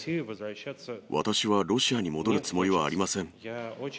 私はロシアに戻るつもりはありません。